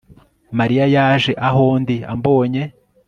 Mariya yaje aho ndi ambonye